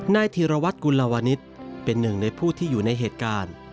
นายธีรวัฒน์กุลลาวณิธเป็นหนึ่งในผู้ที่อยู่ในเหตุการณ์